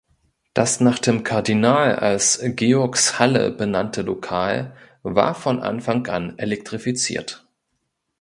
Das nach dem Kardinal als "Georgs Halle" benannte Lokal war von Anfang an elektrifiziert.